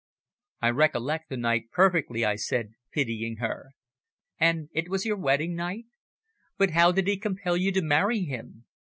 "I recollect the night perfectly," I said, pitying her. "And it was your wedding evening? But how did he compel you to marry him?